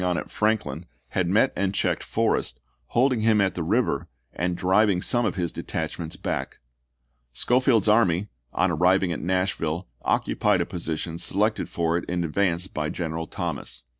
on at Franklin, had met and checked Forrest, holding him at the river and driving some of his detachments back. Schofield's army, on arriving at Nashville, occupied a position selected for it in advance by General Thomas.